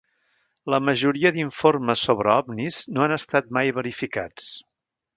La majoria d'informes sobre OVNIS no han estat mai verificats.